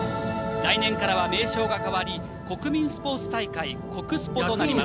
来年からは名称が変わり国民スポーツ大会国スポとなります。